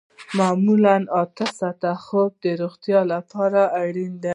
معمولاً اته ساعته خوب د روغتیا لپاره اړین دی